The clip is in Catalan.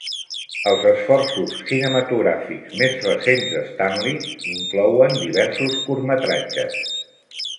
Els esforços cinematogràfics més recents de Stanley inclouen diversos curtmetratges.